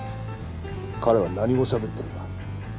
彼は何語をしゃべってるんだ？